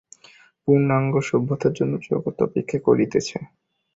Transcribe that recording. পূর্ণাঙ্গ সভ্যতার জন্য জগৎ অপেক্ষা করিতেছে।